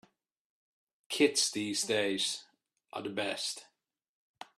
Kids these days are the best.